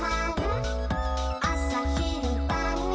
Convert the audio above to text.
「あさ、ひる、ばん、に」